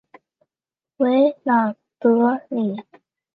维朗德里。